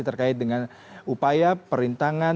terkait dengan upaya perintang